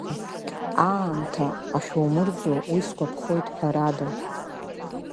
Аамҭа ахьумырӡо уи сгәаԥхоит, ҳәарада.